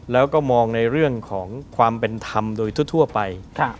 แล้วก็มองในเรื่องของความเป็นธรรมโดยทั่วไป